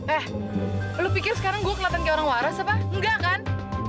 eh lo pikir sekarang gue keliatan kayak orang waras apa nggak kan